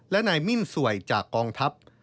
และนายมิ้นสวยจากกองทัพ